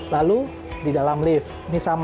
lalu di dalam lift